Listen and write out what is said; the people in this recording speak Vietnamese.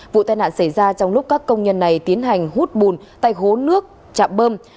vụ tai nạn xảy ra trong lúc các công nhân này tiến hành hút bùn tại hố nước chạm bơm